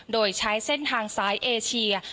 โดยใช้เส้นทางซ้ายเอเชีย